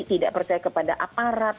tidak percaya kepada aparat